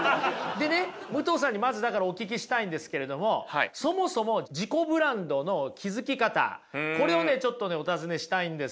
でね武藤さんにまずお聞きしたいんですけれどもそもそも自己ブランドの築き方これをちょっとお尋ねしたいんですよ。